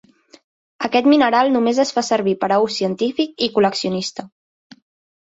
Aquest mineral només es fa servir per a ús científic i col·leccionista.